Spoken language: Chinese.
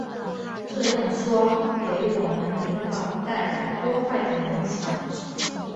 这样说给我们灵宝带来多坏的影响！